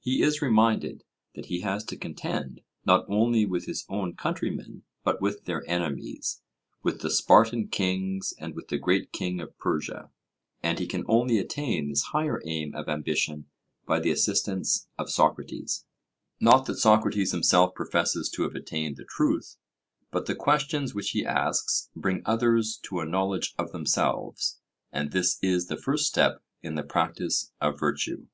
He is reminded that he has to contend, not only with his own countrymen, but with their enemies with the Spartan kings and with the great king of Persia; and he can only attain this higher aim of ambition by the assistance of Socrates. Not that Socrates himself professes to have attained the truth, but the questions which he asks bring others to a knowledge of themselves, and this is the first step in the practice of virtue.